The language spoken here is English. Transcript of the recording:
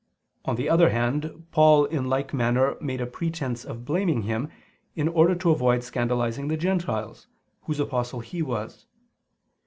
On the other hand, Paul in like manner made a pretense of blaming him, in order to avoid scandalizing the Gentiles, whose Apostle he was.